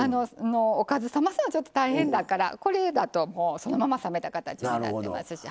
おかず冷ますのちょっと大変だからこれだともうそのまま冷めた形になってますし。